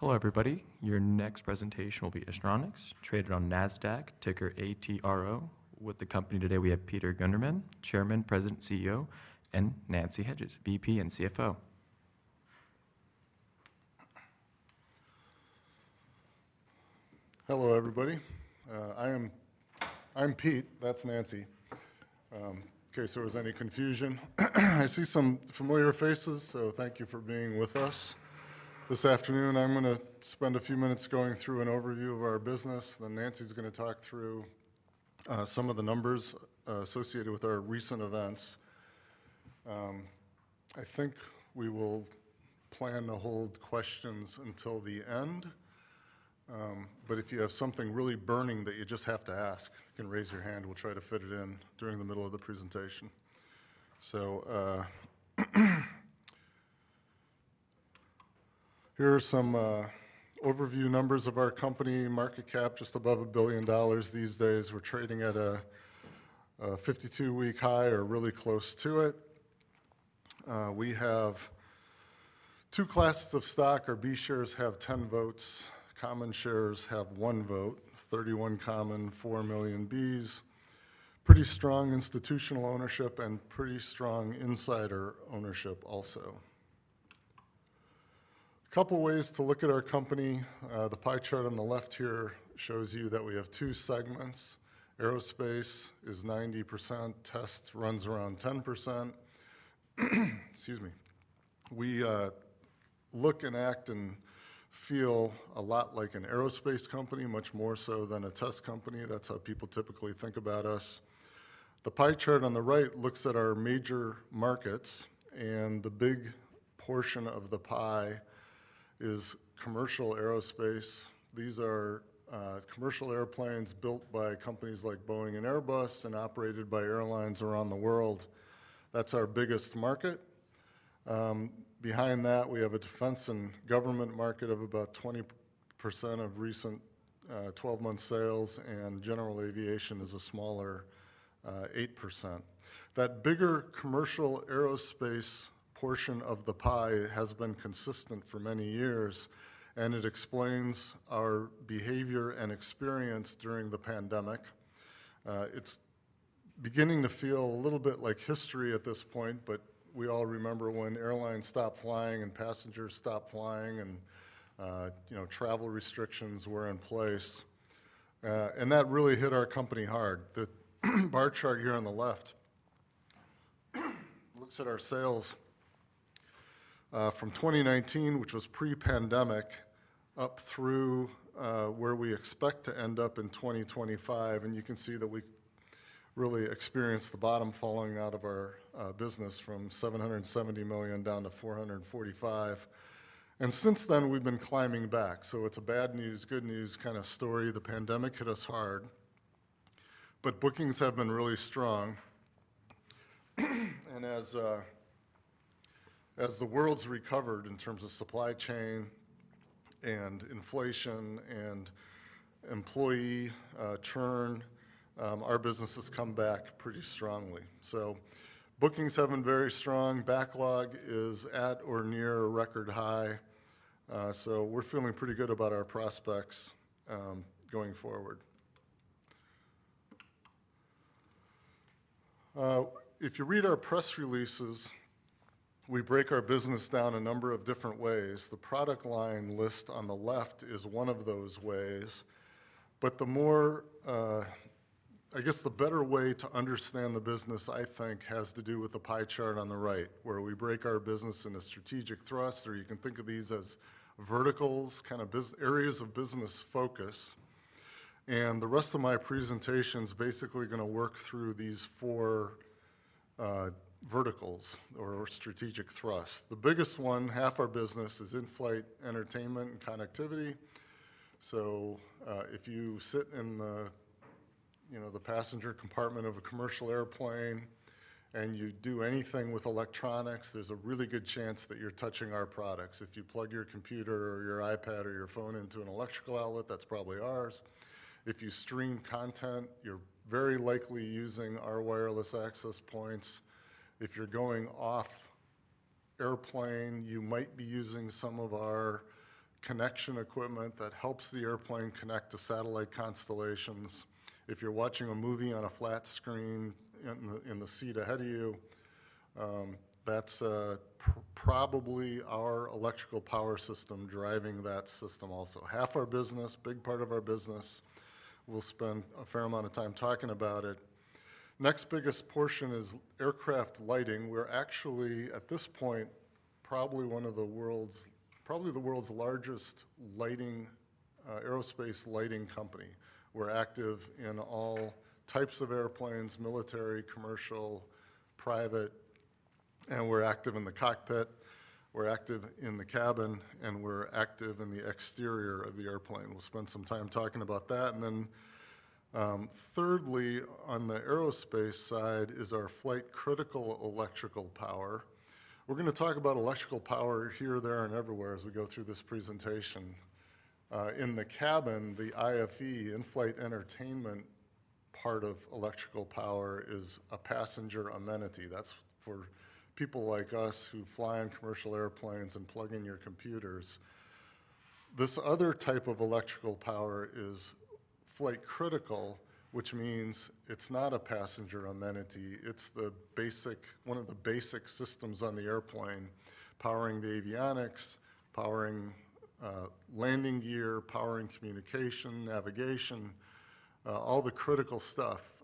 Hello everybody. Your next presentation will be Astronics, traded on Nasdaq, ticker ATRO. With the company today, we have Peter Gundermann, Chairman, President, CEO, and Nancy Hedges, VP and CFO. Hello everybody. I am Pete, that's Nancy. In case there was any confusion, I see some familiar faces, so thank you for being with us. This afternoon, I'm going to spend a few minutes going through an overview of our business, then Nancy's going to talk through some of the numbers associated with our recent events. I think we will plan to hold questions until the end, but if you have something really burning that you just have to ask, you can raise your hand. We'll try to fit it in during the middle of the presentation. Here are some overview numbers of our company. Market cap just above $1 billion these days. We're trading at a 52-week high or really close to it. We have two classes of stock. Our B shares have 10 votes, common shares have one vote, 31 million common, 4 million Bs. Pretty strong institutional ownership and pretty strong insider ownership also. A couple of ways to look at our company. The pie chart on the left here shows you that we have two segments. Aerospace is 90%. Test runs around 10%. We look and act and feel a lot like an aerospace company, much more so than a test company. That's how people typically think about us. The pie chart on the right looks at our major markets, and the big portion of the pie is commercial aerospace. These are commercial airplanes built by companies like Boeing and Airbus and operated by airlines around the world. That's our biggest market. Behind that, we have a defense and government market of about 20% of recent 12-month sales, and general aviation is a smaller 8%. That bigger commercial aerospace portion of the pie has been consistent for many years, and it explains our behavior and experience during the pandemic. It's beginning to feel a little bit like history at this point, but we all remember when airlines stopped flying and passengers stopped flying and travel restrictions were in place. That really hit our company hard. The bar chart here on the left looks at our sales from 2019, which was pre-pandemic, up through where we expect to end up in 2025. You can see that we really experienced the bottom falling out of our business from $770 million down to $445 million. Since then, we've been climbing back. It's a bad news, good news kind of story. The pandemic hit us hard, but bookings have been really strong. As the world's recovered in terms of supply chain and inflation and employee churn, our business has come back pretty strongly. Bookings have been very strong. Backlog is at or near a record high. We're feeling pretty good about our prospects going forward. If you read our press releases, we break our business down a number of different ways. The product line list on the left is one of those ways. The better way to understand the business, I think, has to do with the pie chart on the right, where we break our business into a strategic thrust, or you can think of these as verticals, kind of areas of business focus. The rest of my presentation is basically going to work through these four verticals or strategic thrusts. The biggest one, half our business, is Inflight Entertainment and Connectivity. If you sit in the passenger compartment of a commercial airplane and you do anything with electronics, there's a really good chance that you're touching our products. If you plug your computer or your iPad or your phone into an electrical outlet, that's probably ours. If you stream content, you're very likely using our wireless access points. If you're going off airplane, you might be using some of our connection equipment that helps the airplane connect to satellite constellations. If you're watching a movie on a flat screen in the seat ahead of you, that's probably our electrical power system driving that system also. Half our business, big part of our business, we'll spend a fair amount of time talking about it. Next biggest portion is Aircraft Lighting. We're actually, at this point, probably one of the world's, probably the world's largest aerospace lighting company. We're active in all types of airplanes, military, commercial, private, and we're active in the cockpit. We're active in the cabin, and we're active in the exterior of the airplane. We'll spend some time talking about that. Thirdly, on the aerospace side is our Flight-Critical Electrical Power. We're going to talk about electrical power here, there, and everywhere as we go through this presentation. In the cabin, the IFE, in-flight entertainment part of electrical power is a passenger amenity. That's for people like us who fly on commercial airplanes and plug in your computers. This other type of electrical power is flight-critical, which means it's not a passenger amenity. It's one of the basic systems on the airplane, powering the avionics, powering landing gear, powering communication, navigation, all the critical stuff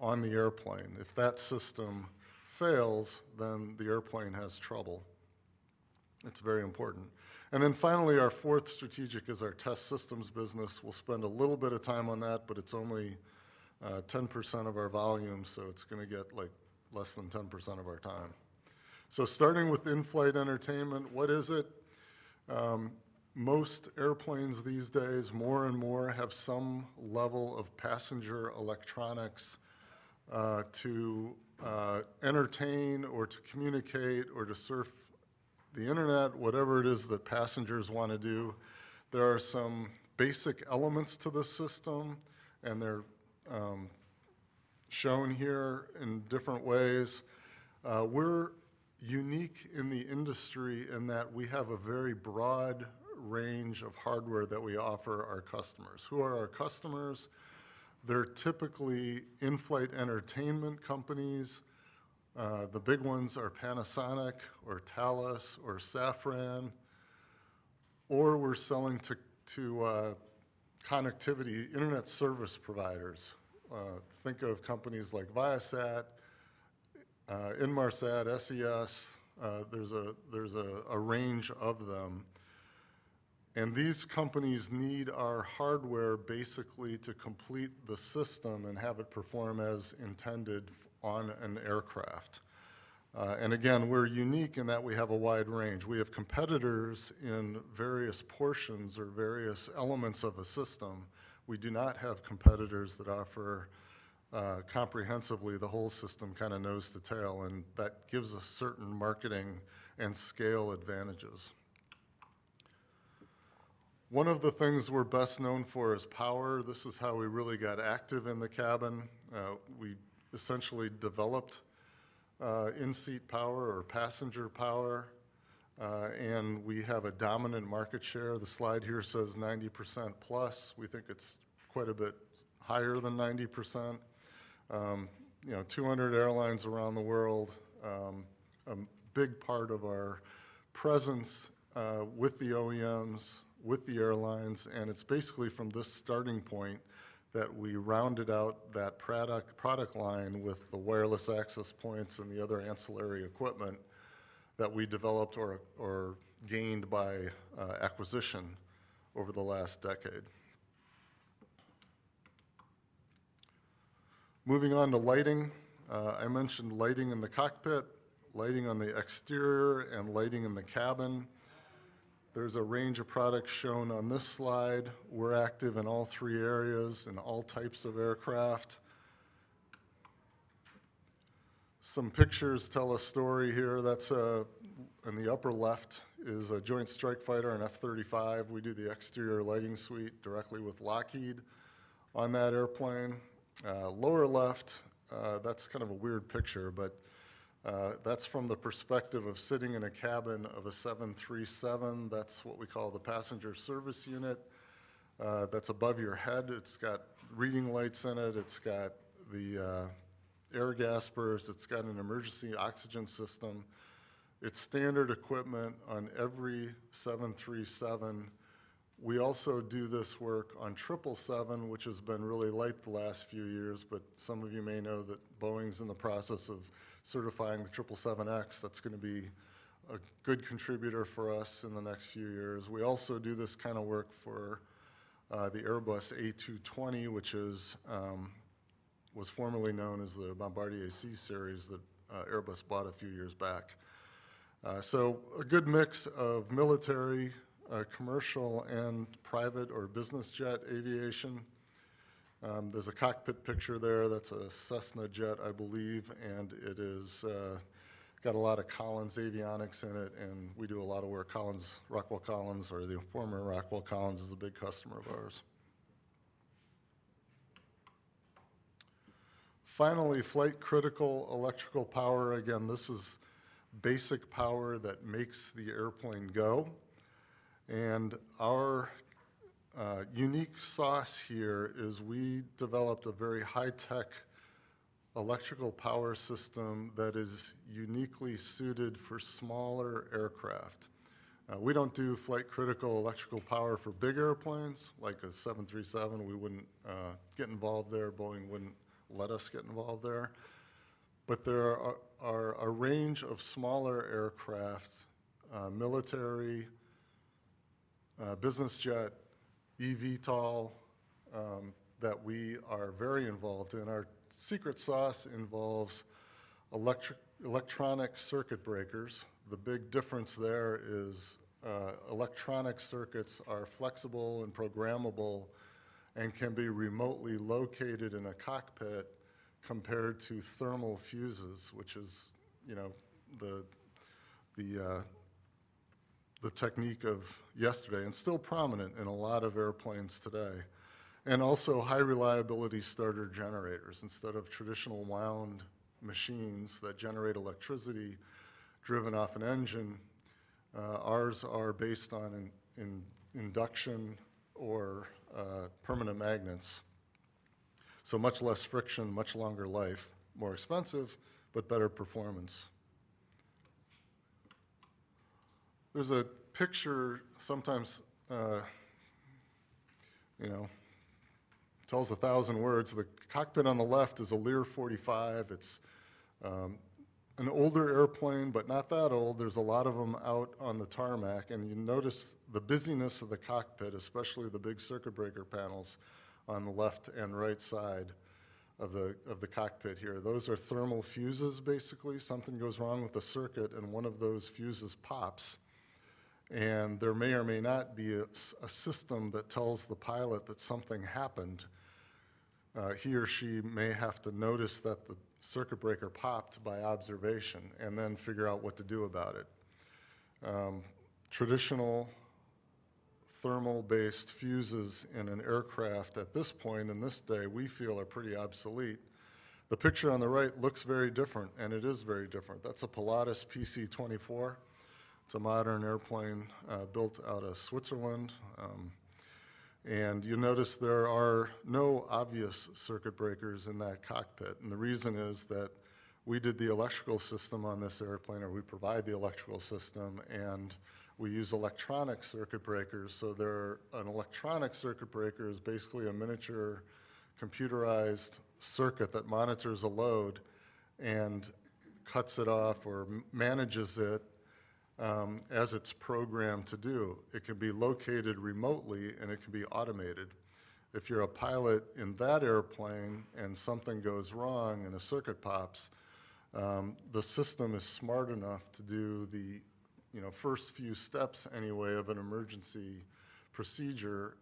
on the airplane. If that system fails, then the airplane has trouble. It's very important. Finally, our fourth strategic is our Test Systems business. We'll spend a little bit of time on that, but it's only 10% of our volume, so it's going to get less than 10% of our time. Starting with in-flight entertainment, what is it? Most airplanes these days, more and more, have some level of passenger electronics to entertain or to communicate or to surf the internet, whatever it is that passengers want to do. There are some basic elements to the system, and they're shown here in different ways. We're unique in the industry in that we have a very broad range of hardware that we offer our customers. Who are our customers? They're typically in-flight entertainment companies. The big ones are Panasonic, Telos, or Safran, or we're selling to connectivity internet service providers. Think of companies like ViaSat, Inmarsat, SES. There's a range of them. These companies need our hardware basically to complete the system and have it perform as intended on an aircraft. We're unique in that we have a wide range. We have competitors in various portions or various elements of a system. We do not have competitors that offer comprehensively the whole system kind of nose to tail, and that gives us certain marketing and scale advantages. One of the things we're best known for is power. This is how we really got active in the cabin. We essentially developed in-seat passenger power, and we have a dominant market share. The slide here says 90%+. We think it's quite a bit higher than 90%. 200 airlines around the world, a big part of our presence with the OEMs, with the airlines, and it's basically from this starting point that we rounded out that product line with the wireless access points and the other ancillary equipment that we developed or gained by acquisition over the last decade. Moving on to lighting, I mentioned lighting in the cockpit, lighting on the exterior, and lighting in the cabin. There's a range of products shown on this slide. We're active in all three areas and all types of aircraft. Some pictures tell a story here. In the upper left is a Joint strike fighter, an F-35. We do the exterior lighting suite directly with Lockheed on that airplane. Lower left, that's kind of a weird picture, but that's from the perspective of sitting in a cabin of a 737. That's what we call the passenger service unit. That's above your head. It's got reading lights in it. It's got the air gaspers. It's got an emergency oxygen system. It's standard equipment on every 737. We also do this work on 777, which has been really light the last few years, but some of you may know that Boeing's in the process of certifying the 777X. That's going to be a good contributor for us in the next few years. We also do this kind of work for the Airbus A220, which was formerly known as the Bombardier C Series that Airbus bought a few years back. A good mix of military, commercial, and private or business jet aviation. There's a cockpit picture there. That's a Cessna jet, I believe, and it's got a lot of Collins avionics in it, and we do a lot of work. Rockwell Collins, or the former Rockwell Collins, is a big customer of ours. Finally, Flight-Critical Electrical Power. This is basic power that makes the airplane go. Our unique sauce here is we developed a very high-tech electrical power system that is uniquely suited for smaller aircraft. We don't do flight-critical electrical power for big airplanes, like a 737. We wouldn't get involved there. Boeing wouldn't let us get involved there. There are a range of smaller aircraft, military, business jet, eVTOL that we are very involved in. Our secret sauce involves electronic circuit breakers. The big difference there is electronic circuits are flexible and programmable and can be remotely located in a cockpit compared to thermal fuses, which is the technique of yesterday and still prominent in a lot of airplanes today. Also high-reliability starter generators, instead of traditional wound machines that generate electricity driven off an engine. Ours are based on induction or permanent magnets. Much less friction, much longer life, more expensive, but better performance. There's a picture sometimes, you know, tells a thousand words. The cockpit on the left is a Lear 45. It's an older airplane, but not that old. There's a lot of them out on the tarmac. You notice the busyness of the cockpit, especially the big circuit breaker panels on the left and right side of the cockpit here. Those are thermal fuses, basically. Something goes wrong with the circuit, and one of those fuses pops. There may or may not be a system that tells the pilot that something happened. He or she may have to notice that the circuit breaker popped by observation and then figure out what to do about it. Traditional thermal-based fuses in an aircraft at this point in this day, we feel are pretty obsolete. The picture on the right looks very different, and it is very different. That's a Pilatus PC-24. It's a modern airplane built out of Switzerland. You notice there are no obvious circuit breakers in that cockpit. The reason is that we did the electrical system on this airplane, or we provide the electrical system, and we use electronic circuit breakers. An electronic circuit breaker is basically a miniature computerized circuit that monitors a load and cuts it off or manages it as it's programmed to do. It can be located remotely, and it can be automated. If you're a pilot in that airplane and something goes wrong and a circuit pops, the system is smart enough to do the first few steps anyway of an emergency procedure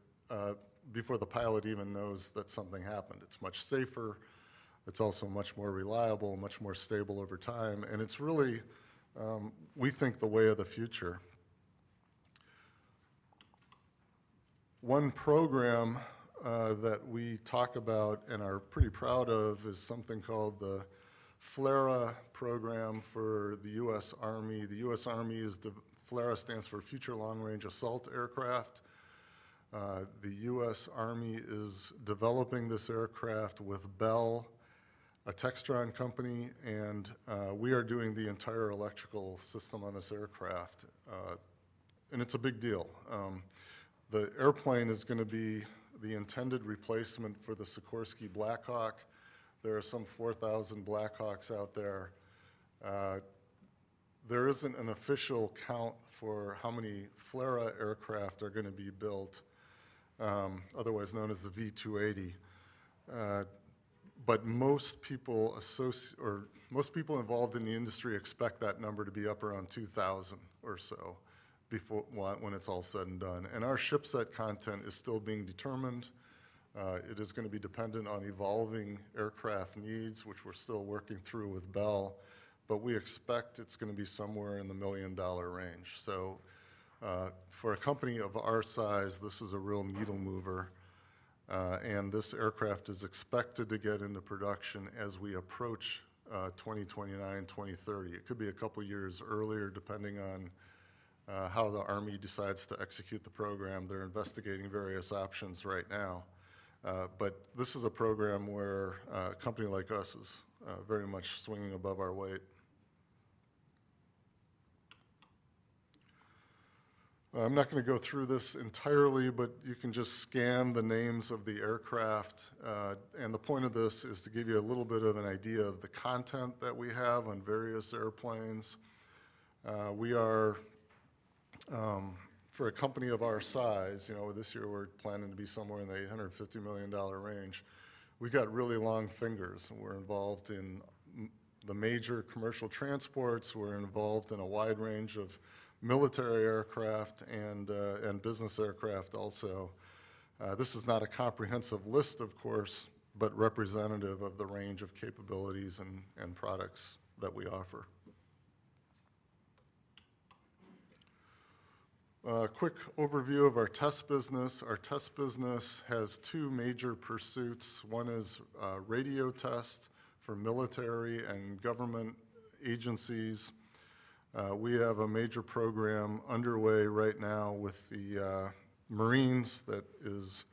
before the pilot even knows that something happened. It's much safer. It's also much more reliable, much more stable over time. It's really, we think, the way of the future. One program that we talk about and are pretty proud of is something called the FLRAA program for the U.S. Army. The U.S. Army is FLRAA, stands for Future Long Range Assault Aircraft. The U.S. Army is developing this aircraft with Bell Textron, and we are doing the entire electrical system on this aircraft. It's a big deal. The airplane is going to be the intended replacement for the Sikorsky Black Hawk. There are some 4,000 Black Hawks out there. There isn't an official count for how many FLRAA aircraft are going to be built, otherwise known as the V-280. Most people involved in the industry expect that number to be up around 2,000 or so when it's all said and done. Our ship set content is still being determined. It is going to be dependent on evolving aircraft needs, which we're still working through with Bell, but we expect it's going to be somewhere in the $1 million range. For a company of our size, this is a real needle mover. This aircraft is expected to get into production as we approach 2029 and 2030. It could be a couple of years earlier, depending on how the Army decides to execute the program. They're investigating various options right now. This is a program where a company like us is very much swinging above our weight. I'm not going to go through this entirely, but you can just scan the names of the aircraft. The point of this is to give you a little bit of an idea of the content that we have on various airplanes. For a company of our size, you know, this year we're planning to be somewhere in the $850 million range. We've got really long fingers. We're involved in the major commercial transports. We're involved in a wide range of military aircraft and business aircraft also. This is not a comprehensive list, of course, but representative of the range of capabilities and products that we offer. A quick overview of our Test Business. Our Test Business has two major pursuits. One is radio tests for military and government agencies. We have a major program underway right now with the Marines. That is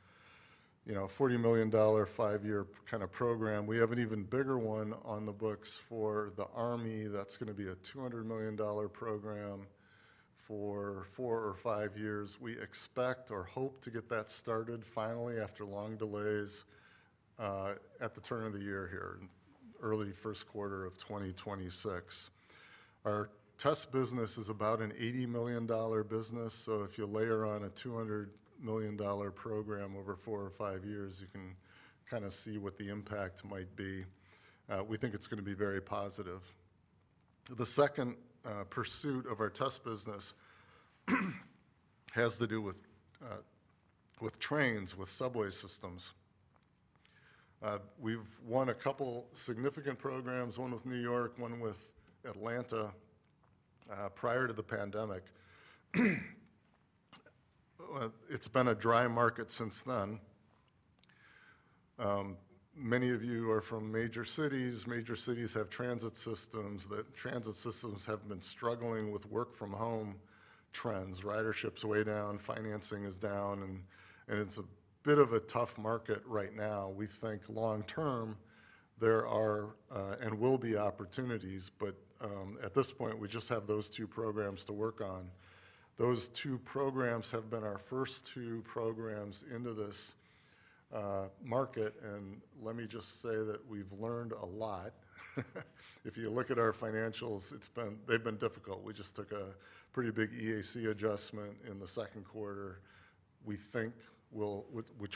a $40 million five-year kind of program. We have an even bigger one on the books for the Army. That's going to be a $200 million program for four or five years. We expect or hope to get that started finally after long delays at the turn of the year here, early first quarter of 2026. Our Test Business is about an $80 million business. If you layer on a $200 million program over four or five years, you can kind of see what the impact might be. We think it's going to be very positive. The second pursuit of our Test Business has to do with trains, with subway systems. We've won a couple of significant programs, one with New York, one with Atlanta, prior to the pandemic. It's been a dry market since then. Many of you are from major cities. Major cities have transit systems. The transit systems have been struggling with work-from-home trends. Riderships are way down. Financing is down. It's a bit of a tough market right now. We think long-term there are and will be opportunities, but at this point, we just have those two programs to work on. Those two programs have been our first two programs into this market. Let me just say that we've learned a lot. If you look at our financials, they've been difficult. We just took a pretty big EAC adjustment in the second quarter, which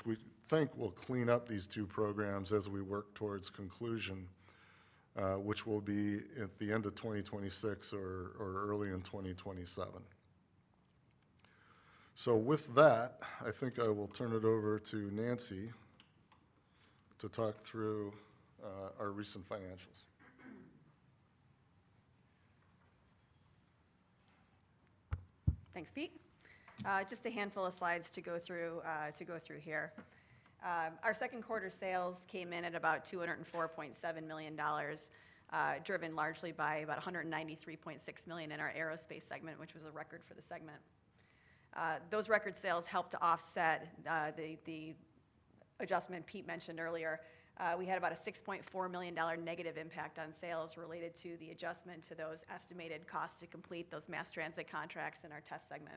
we think will clean up these two programs as we work towards conclusion, which will be at the end of 2026 or early in 2027. I think I will turn it over to Nancy to talk through our recent financials. Thanks, Pete. Just a handful of slides to go through here. Our second quarter sales came in at about $204.7 million, driven largely by about $193.6 million in our aerospace segment, which was a record for the segment. Those record sales helped to offset the adjustment Pete mentioned earlier. We had about a $6.4 million negative impact on sales related to the adjustment to those estimated costs to complete those mass transit contracts in our Test segment.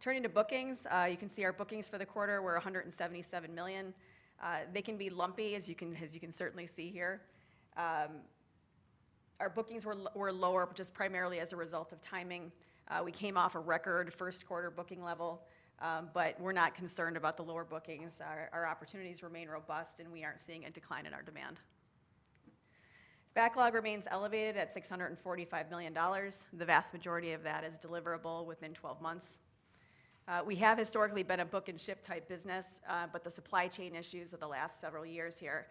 Turning to bookings, you can see our bookings for the quarter were $177 million. They can be lumpy, as you can certainly see here. Our bookings were lower just primarily as a result of timing. We came off a record first quarter booking level, but we're not concerned about the lower bookings. Our opportunities remain robust, and we aren't seeing a decline in our demand. Backlog remains elevated at $645 million. The vast majority of that is deliverable within 12 months. We have historically been a book and ship type business, but the supply chain issues of the last several years here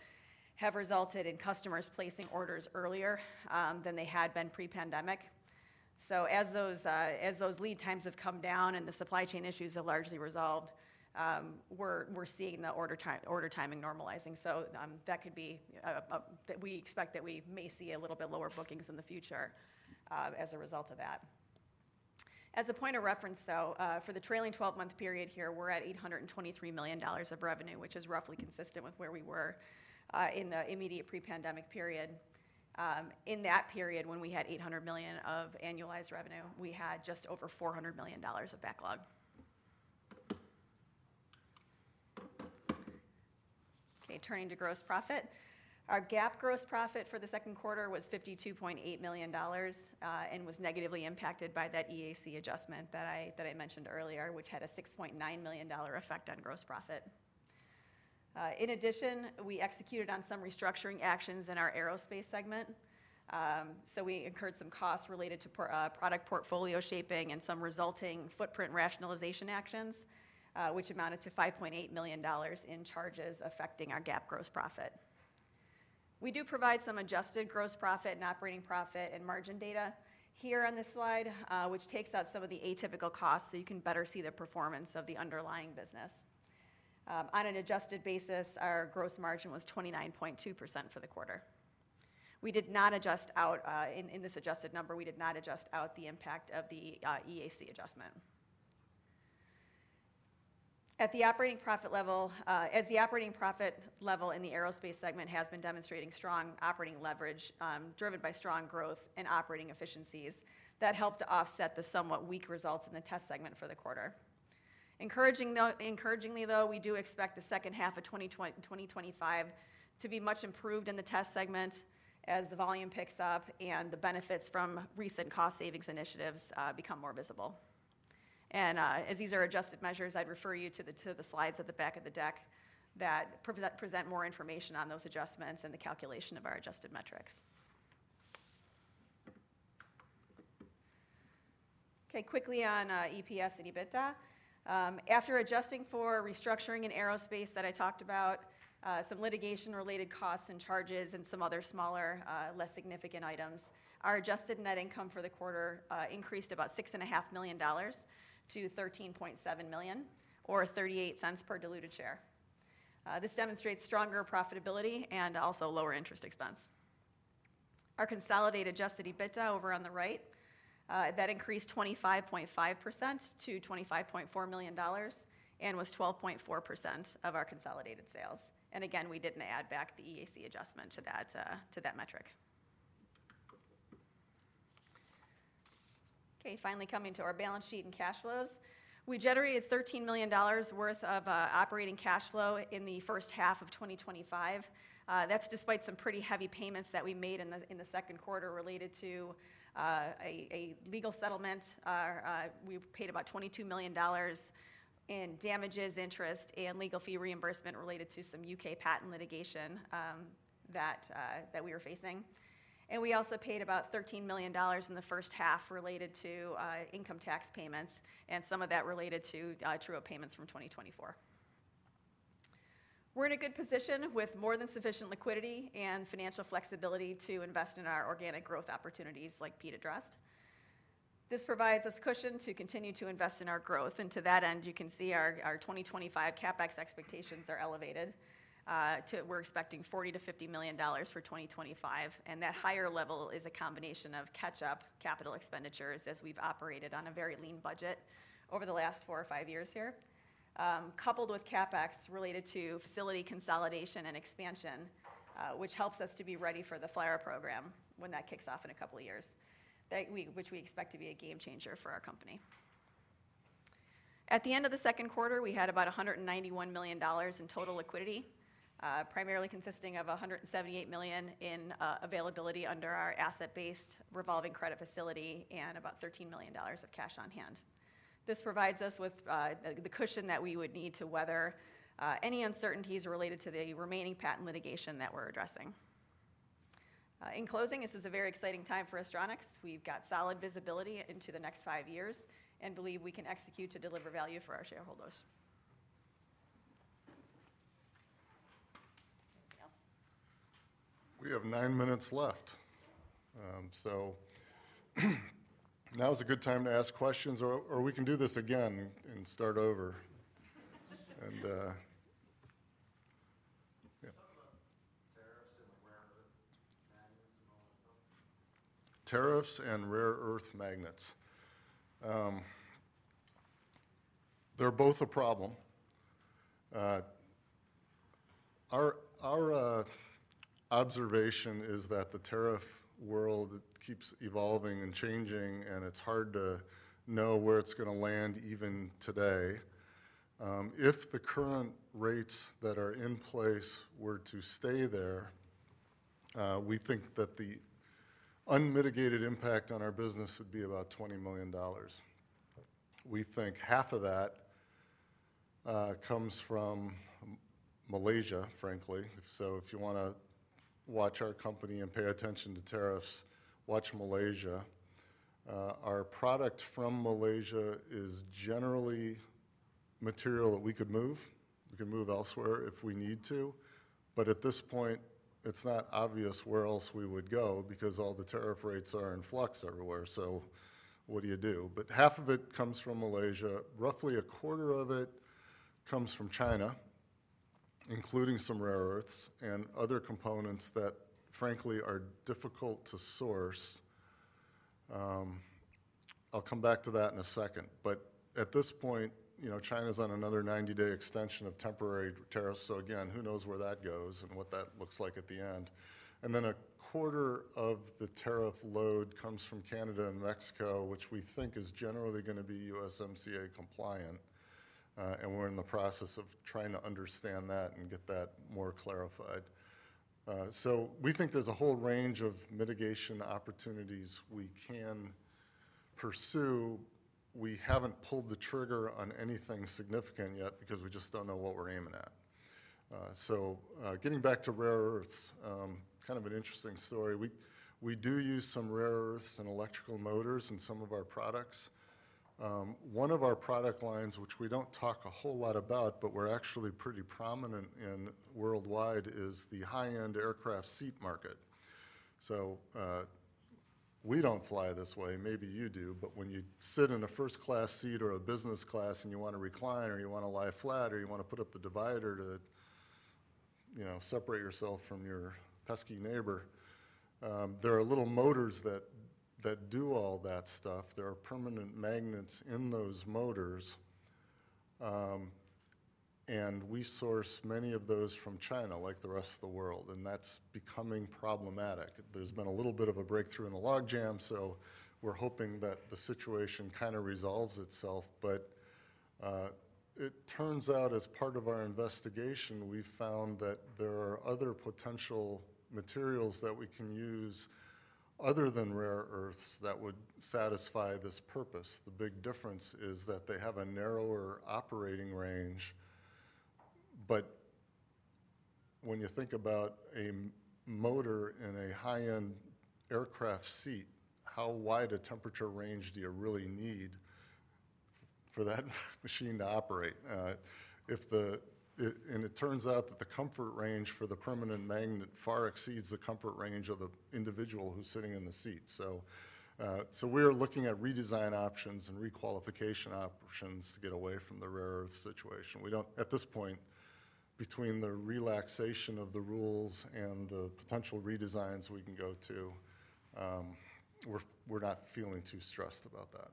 have resulted in customers placing orders earlier than they had been pre-pandemic. As those lead times have come down and the supply chain issues have largely resolved, we're seeing the order timing normalizing. That could be that we expect that we may see a little bit lower bookings in the future as a result of that. As a point of reference, though, for the trailing 12-month period here, we're at $823 million of revenue, which is roughly consistent with where we were in the immediate pre-pandemic period. In that period, when we had $800 million of annualized revenue, we had just over $400 million of backlog. Okay, turning to gross profit. Our GAAP gross profit for the second quarter was $52.8 million and was negatively impacted by that EAC adjustment that I mentioned earlier, which had a $6.9 million effect on gross profit. In addition, we executed on some restructuring actions in our aerospace segment. We incurred some costs related to product portfolio shaping and some resulting footprint rationalization actions, which amounted to $5.8 million in charges affecting our GAAP gross profit. We do provide some adjusted gross profit and operating profit and margin data here on this slide, which takes out some of the atypical costs so you can better see the performance of the underlying business. On an adjusted basis, our gross margin was 29.2% for the quarter. We did not adjust out in this adjusted number. We did not adjust out the impact of the EAC adjustment. At the operating profit level, as the operating profit level in the Aerospace segment has been demonstrating strong operating leverage driven by strong growth and operating efficiencies, that helped to offset the somewhat weak results in the test segment for the quarter. Encouragingly, though, we do expect the second half of 2025 to be much improved in the Test segment as the volume picks up and the benefits from recent cost savings initiatives become more visible. As these are adjusted measures, I'd refer you to the slides at the back of the deck that present more information on those adjustments and the calculation of our adjusted metrics. Okay, quickly on EPS and EBITDA. After adjusting for restructuring in aerospace that I talked about, some litigation-related costs and charges and some other smaller, less significant items, our adjusted net income for the quarter increased about $6.5 million to $13.7 million, or $0.38 per diluted share. This demonstrates stronger profitability and also lower interest expense. Our consolidated adjusted EBITDA over on the right, that increased 25.5% to $25.4 million and was 12.4% of our consolidated sales. Again, we didn't add back the EAC adjustment to that metric. Okay, finally coming to our balance sheet and cash flows. We generated $13 million worth of operating cash flow in the first half of 2025. That's despite some pretty heavy payments that we made in the second quarter related to a legal settlement. We paid about $22 million in damages, interest, and legal fee reimbursement related to some U.K. patent litigation that we were facing. We also paid about $13 million in the first half related to income tax payments and some of that related to true payments from 2024. We're in a good position with more than sufficient liquidity and financial flexibility to invest in our organic growth opportunities like Pete addressed. This provides us cushion to continue to invest in our growth. To that end, you can see our 2025 CapEx expectations are elevated. We're expecting $40 million-$50 million for 2025. That higher level is a combination of catch-up capital expenditures as we've operated on a very lean budget over the last four or five years here, coupled with CapEx related to facility consolidation and expansion, which helps us to be ready for the FLRAA program when that kicks off in a couple of years, which we expect to be a game changer for our company. At the end of the second quarter, we had about $191 million in total liquidity, primarily consisting of $178 million in availability under our asset-based revolving credit facility and about $13 million of cash on hand. This provides us with the cushion that we would need to weather any uncertainties related to the remaining patent litigation that we're addressing. In closing, this is a very exciting time for Astronics. We've got solid visibility into the next five years and believe we can execute to deliver value for our shareholders. Okay, anything else? We have nine minutes left. Now is a good time to ask questions, or we can do this again and start over. Tariffs and rare earth magnets are both a problem. Our observation is that the tariff world keeps evolving and changing, and it's hard to know where it's going to land even today. If the current rates that are in place were to stay there, we think that the unmitigated impact on our business would be about $20 million. We think half of that comes from Malaysia, frankly. If you want to watch our company and pay attention to tariffs, watch Malaysia. Our product from Malaysia is generally material that we could move. We could move elsewhere if we need to. At this point, it's not obvious where else we would go because all the tariff rates are in flux everywhere. What do you do? Half of it comes from Malaysia. Roughly a quarter of it comes from China, including some rare earths and other components that, frankly, are difficult to source. I'll come back to that in a second. At this point, China's on another 90-day extension of temporary tariffs. Who knows where that goes and what that looks like at the end. A quarter of the tariff load comes from Canada and Mexico, which we think is generally going to be USMCA compliant. We are in the process of trying to understand that and get that more clarified. We think there's a whole range of mitigation opportunities we can pursue. We haven't pulled the trigger on anything significant yet because we just don't know what we're aiming at. Getting back to rare earths, kind of an interesting story. We do use some rare earths and electrical motors in some of our products. One of our product lines, which we don't talk a whole lot about, but we're actually pretty prominent in worldwide, is the high-end aircraft seat market. We don't fly this way. Maybe you do. When you sit in a first-class seat or a business class and you want to recline, or you want to lie flat, or you want to put up the divider to separate yourself from your pesky neighbor, there are little motors that do all that stuff. There are permanent magnets in those motors. We source many of those from China, like the rest of the world, and that's becoming problematic. There's been a little bit of a breakthrough in the logjam, so we're hoping that the situation kind of resolves itself. It turns out, as part of our investigation, we found that there are other potential materials that we can use other than rare earths that would satisfy this purpose. The big difference is that they have a narrower operating range. When you think about a motor in a high-end aircraft seat, how wide a temperature range do you really need for that machine to operate? It turns out that the comfort range for the permanent magnet far exceeds the comfort range of the individual who's sitting in the seat. We are looking at redesign options and requalification options to get away from the rare earth situation. We don't, at this point, between the relaxation of the rules and the potential redesigns we can go to, we're not feeling too stressed about that.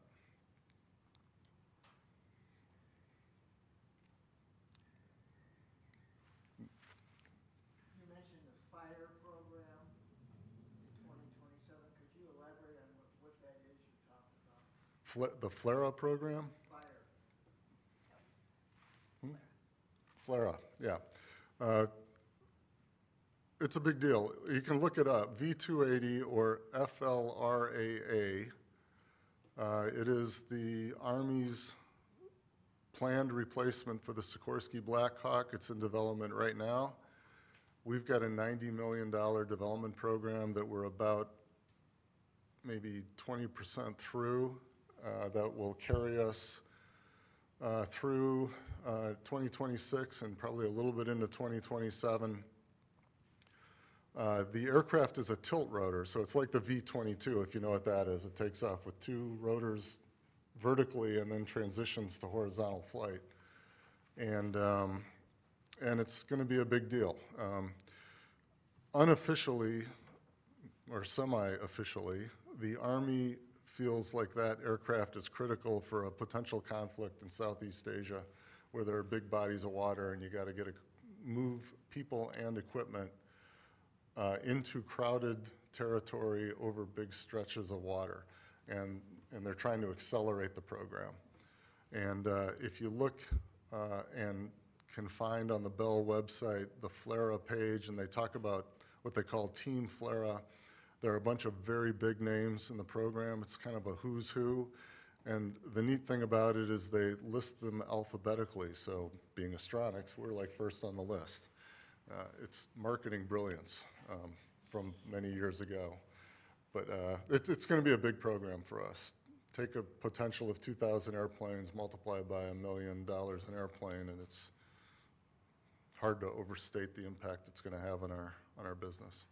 You mentioned a FLRAA program in 2027. Could you elaborate on what that is? The FLRAA program? FLRAA, yeah. It's a big deal. You can look it up. V-280 or FLRAA. It is the Army's planned replacement for the Sikorsky Black Hawk. It's in development right now. We've got a $90 million development program that we're about maybe 20% through that will carry us through 2026 and probably a little bit into 2027. The aircraft is a tilt rotor, so it's like the V-22, if you know what that is. It takes off with two rotors vertically and then transitions to horizontal flight. It's going to be a big deal. Unofficially, or semi-officially, the Army feels like that aircraft is critical for a potential conflict in Southeast Asia where there are big bodies of water and you got to move people and equipment into crowded territory over big stretches of water. They're trying to accelerate the program. If you look and can find on the Bell website the FLRAA page and they talk about what they call team FLRAA, there are a bunch of very big names in the program. It's kind of a who's who. The neat thing about it is they list them alphabetically. So being Astronics, we're like first on the list. It's marketing brilliance from many years ago. It's going to be a big program for us. Take a potential of 2,000 airplanes multiplied by $1 million an airplane, and it's hard to overstate the impact it's going to have on our business.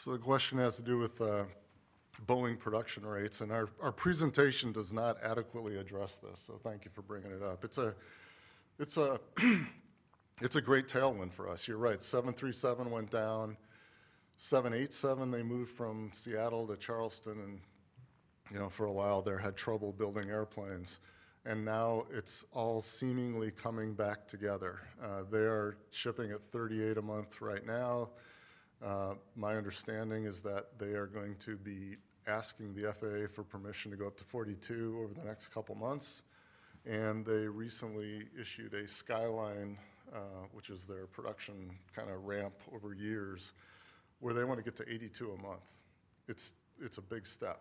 Yeah. If it looks like Boeing is one of the larger customers for you guys, just curious, obviously the production that you have, but seem to be remembering just where you think they are in terms of full production capabilities and I guess just how that is going to. The question has to do with Boeing production rates, and our presentation does not adequately address this, so thank you for bringing it up. It's a great tailwind for us. You're right. 737 went down. 787, they moved from Seattle to Charleston, and for a while there had trouble building airplanes. Now it's all seemingly coming back together. They are shipping at 38 a month right now. My understanding is that they are going to be asking the FAA for permission to go up to 42 over the next couple of months. They recently issued a skyline, which is their production kind of ramp over years, where they want to get to 82 a month. It's a big step,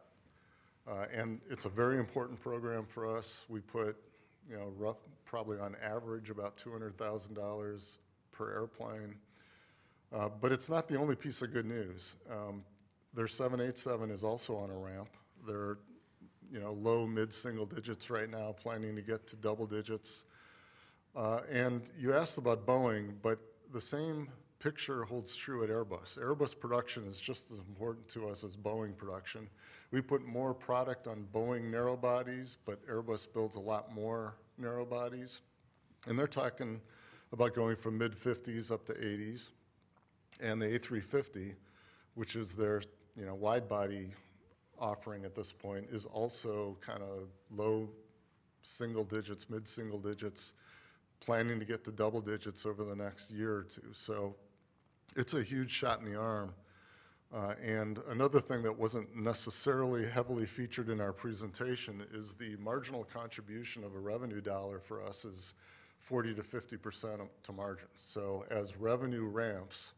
and it's a very important program for us. We put, probably on average, about $200,000 per airplane. It's not the only piece of good news. Their 787 is also on a ramp. They're low mid-single digits right now, planning to get to double digits. You asked about Boeing, but the same picture holds true at Airbus. Airbus production is just as important to us as Boeing production. We put more product on Boeing narrowbodies, but Airbus builds a lot more narrowbodies, and they're talking about going from mid-50s up to 80s. The A350, which is their wide-body offering at this point, is also kind of low single digits, mid-single digits, planning to get to double digits over the next year or two. It's a huge shot in the arm. Another thing that wasn't necessarily heavily featured in our presentation is the marginal contribution of a revenue dollar for us is 40%-50% to margins. As revenue ramps,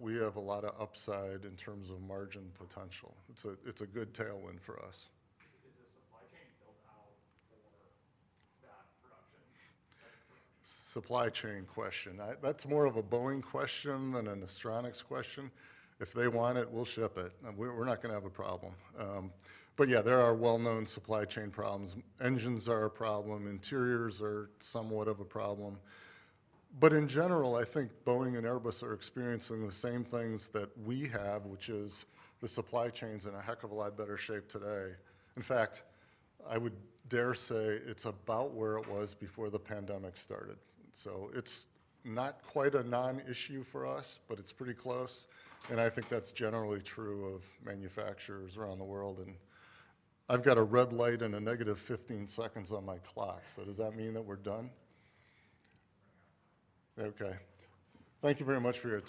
we have a lot of upside in terms of margin potential. It's a good tailwind for us. Supply chain question. That's more of a Boeing question than an Astronics question. If they want it, we'll ship it. We're not going to have a problem. There are well-known supply chain problems. Engines are a problem. Interiors are somewhat of a problem. In general, I think Boeing and Airbus are experiencing the same things that we have, which is the supply chain's in a heck of a lot better shape today. In fact, I would dare say it's about where it was before the pandemic started. It's not quite a non-issue for us, but it's pretty close. I think that's generally true of manufacturers around the world. I've got a red light and a -15 seconds on my clock. Does that mean that we're done? Okay. Thank you very much for your time.